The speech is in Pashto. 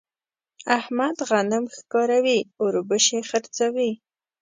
احمد غنم ښکاروي ـ اوربشې خرڅوي.